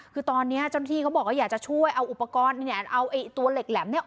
คือตอนนี้เจ้าหน้าที่เขาบอกว่าอยากจะช่วยเอาอุปกรณ์เนี่ยเอาไอ้ตัวเหล็กแหลมเนี่ย